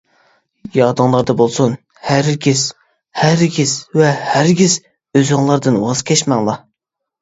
يادىڭلاردا بولسۇن، ھەرگىز، ھەرگىز ۋە ھەرگىز ئۆزۈڭلاردىن ۋاز كەچمەڭلار.